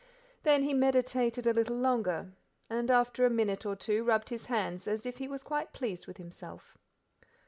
Then he meditated a little longer, and after a minute or two rubbed his hands as if he was quite pleased with himself.